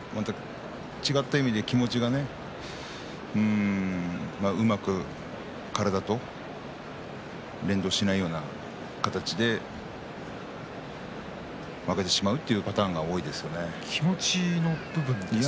違った意味で気持ちがうまく体と連動しないような形で負けてしまうという気持ちの部分ですか？